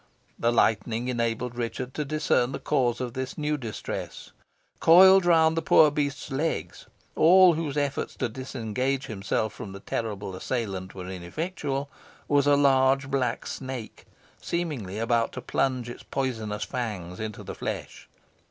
The lightning enabled Richard to discern the cause of this new distress. Coiled round the poor beast's legs, all whose efforts to disengage himself from the terrible assailant were ineffectual, was a large black snake, seemingly about to plunge its poisonous fangs into the flesh.